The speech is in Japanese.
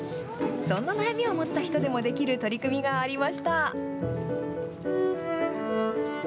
そんな悩みを持った人でもできる取り組みがありました。